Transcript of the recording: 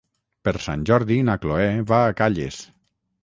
Per Sant Jordi na Cloè va a Calles.